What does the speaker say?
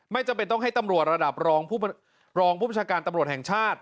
จำเป็นต้องให้ตำรวจระดับรองผู้ประชาการตำรวจแห่งชาติ